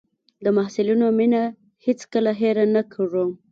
د محصلینو مينه هېڅ کله هېره نه کړم.